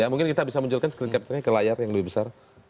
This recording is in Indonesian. mungkin kita bisa menunjukkan screencapturnya ke layar yang lebih besar